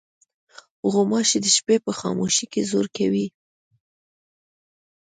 غوماشې د شپې په خاموشۍ کې زور کوي.